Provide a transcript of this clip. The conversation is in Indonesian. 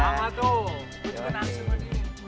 lama tuh gue juga naksir sama dia